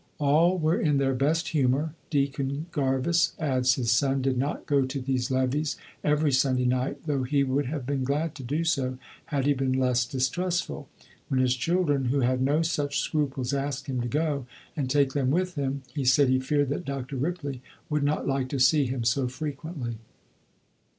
All were in their best humor. Deacon Jarvis [adds his son], did not go to these levees every Sunday night, though he would have been glad to do so, had he been less distrustful. When his children, who had no such scruples, asked him to go and take them with him, he said he feared that Dr. Ripley would not like to see him so frequently."